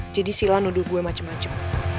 jadi sila nuduh gue macem macem